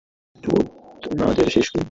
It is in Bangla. চোদনাদের শেষ করি!